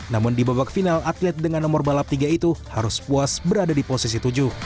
namun di babak final atlet dengan nomor balap tiga itu harus puas berada di posisi tujuh